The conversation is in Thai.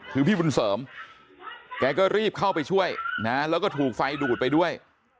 คือพี่บุญเสริมแกก็รีบเข้าไปช่วยนะแล้วก็ถูกไฟดูดไปด้วย